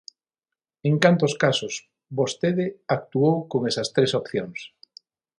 ¿En cantos casos vostede actuou con esas tres opcións?